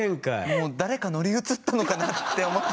もう誰か乗り移ったのかなって思って。